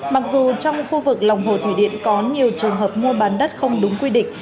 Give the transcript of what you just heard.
mặc dù trong khu vực lòng hồ thủy điện có nhiều trường hợp mua bán đất không đúng quy định